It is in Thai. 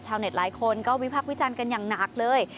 ชาวเน็ตหลายคนก็วิพักวิจันกันอย่างหนักเลย